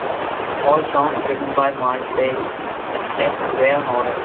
All songs written by Miles Davis, except where noted.